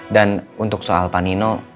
dan untuk soal pak nino